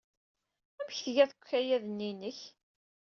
Amek tgiḍ deg ukayad-nni inek?